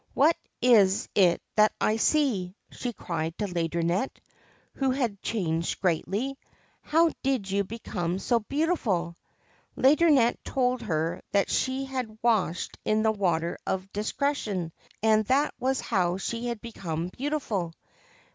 'What is it that I see?' she cried to Laideronnette, who had changed greatly. ' How did you become so beautiful ?' Laideronnette told her that she had washed in the Water of Discretion, and that was how she had become beautiful.